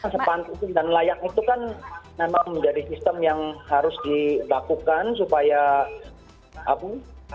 sepanduk dan layak itu kan memang menjadi sistem yang harus dilakukan supaya apa